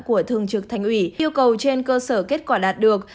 của thường trực thành ủy yêu cầu trên cơ sở kết quả đạt được